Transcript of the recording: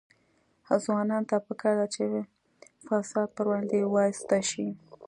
ځوانانو ته پکار ده چې، فساد پر وړاندې وایسته شي.